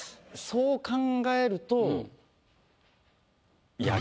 そう考えると。